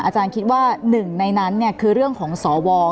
อาจารย์คิดว่าหนึ่งในนั้นคือเรื่องของสว